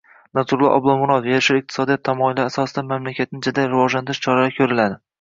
Narzullo Oblomurodov: “Yashil iqtisodiyot” tamoyillari asosida mamlakatni jadal rivojlantirish choralari ko‘riladi”